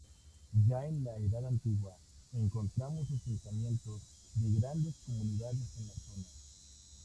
Ya en la edad antigua encontramos asentamientos de grandes comunidades en la zona.